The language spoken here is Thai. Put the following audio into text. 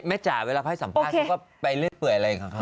แต่เมจ่าเวลาไปสัมภาษณ์ก็ไปเรื่องเผื่ออะไรกับเขา